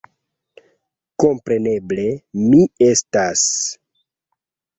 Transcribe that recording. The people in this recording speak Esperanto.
Kompreneble, mi estas....